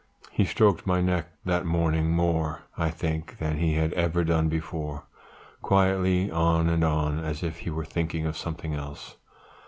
He stroked my neck that morning more, I think, than he had ever done before; quietly on and on, as if he were thinking of something else.